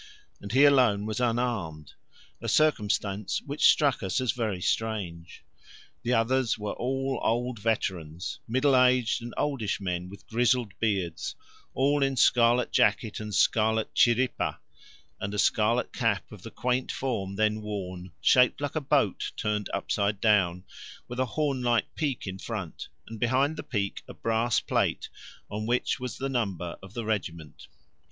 And he alone was unarmed, a circumstance which struck us as very strange. The others were all old veterans, middle aged and oldish men with grizzled beards, all in scarlet jacket and scarlet chiripa and a scarlet cap of the quaint form then worn, shaped like a boat turned upside down, with a horn like peak in front, and beneath the peak a brass plate on which was the number of the regiment.